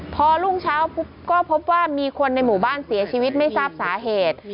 พอรุ่งเช้าปุ๊บก็พบว่ามีคนในหมู่บ้านเสียชีวิตไม่ทราบสาเหตุ